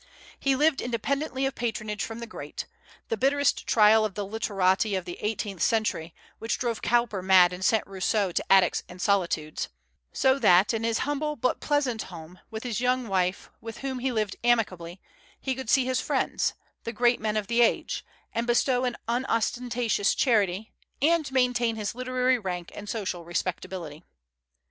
He lived independently of patronage from the great, the bitterest trial of the literati of the eighteenth century, which drove Cowper mad, and sent Rousseau to attics and solitudes, so that, in his humble but pleasant home, with his young wife, with whom he lived amicably, he could see his friends, the great men of the age, and bestow an unostentatious charity, and maintain his literary rank and social respectability.